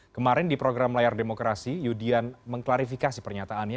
kemarin di program layar demokrasi yudian mengklarifikasi pernyataannya